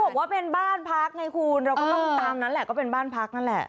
บอกว่าเป็นบ้านพักไงคุณเราก็ต้องตามนั้นแหละก็เป็นบ้านพักนั่นแหละ